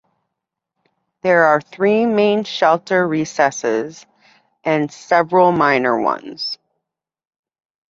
There are three main shelter recesses and several minor ones.